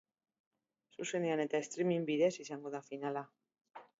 Zuzenean eta streaming bidez izango da finala.